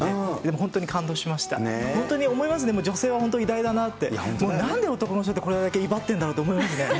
本当に思いますね、女性は本当に偉大だなあって、もうなんで男の人ってこれだけいばってんだろうと思いますね。